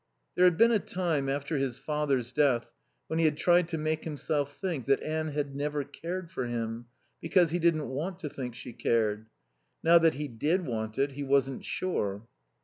There had been a time, after his father's death, when he had tried to make himself think that Anne had never cared for him, because he didn't want to think she cared. Now that he did want it he wasn't sure.